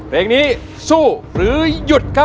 เพลงนี้สู้หรือหยุด